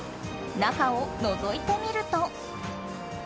中をのぞいてみると。